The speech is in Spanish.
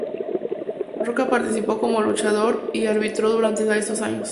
Rocca participó como luchador y árbitro durante estos años.